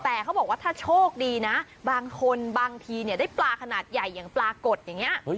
แต่เขาบอกว่าถ้าโชคดีนะบางคนบางทีเนี่ยได้ปลาขนาดใหญ่อย่างปลากดอย่างนี้